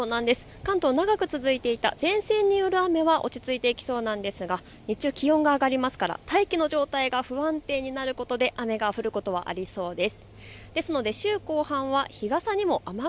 関東で長く続いていた前線による雨は落ち着いてきそうなんですが日中気温が上がりますから大気の状態が不安定になることで雨が降ることはありそうです。